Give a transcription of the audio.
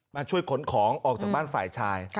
มาช่วยขนของออกจากบ้านฝ่ายชาย